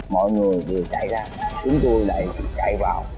mọi người vừa chạy ra chúng tôi lại chạy vào